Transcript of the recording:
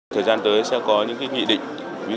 thời gian tới sẽ có những nghị định